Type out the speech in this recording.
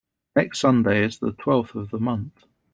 Next Sunday is the twelfth of the month.